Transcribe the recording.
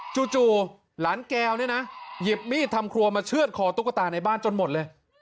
จู่หลานแก้วเนี่ยนะหยิบมีดทำครัวมาเชื่อดคอตุ๊กตาในบ้านจนหมดเลย